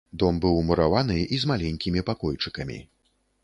Дом быў мураваны і з маленькімі пакойчыкамі.